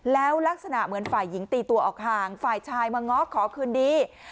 แล้วลักษณะเหมือนฝ่ายหญิงตีตัวออกห่างฝ่ายชายมาง้อขอคืนดี